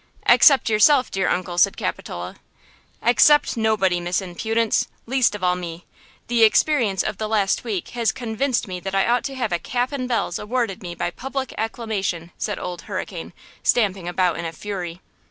"Except yourself, dear uncle!" said Capitola. "Except nobody, Miss Impudence!–least of all me! The experience of the last week has convinced me that I ought to have a cap and bells awarded me by public acclamation!" said Old Hurricane, stamping about in a fury.